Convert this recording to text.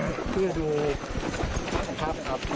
หลังจากที่สุดยอดเย็นหลังจากที่สุดยอดเย็น